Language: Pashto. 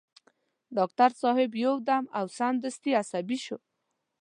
ډاکټر صاحب يو دم او سمدستي عصبي شو.